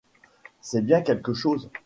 C’est bien quelque chose.